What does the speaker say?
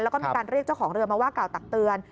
แล้วก็มีการเรียกเจ้าของเรือมาว่ากล่าวตักเตือน